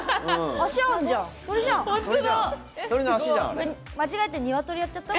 足、あるじゃん！